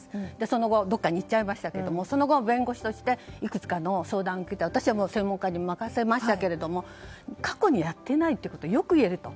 その後、どこかに行っちゃいましたけどその後、弁護士としていくつかの相談受けて私は専門家に任せましたけれども過去にやってないとよく言えると。